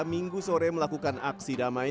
minggu sore melakukan aksi damai